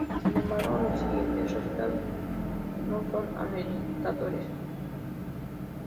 Sin embargo, los siguientes resultados no son alentadores.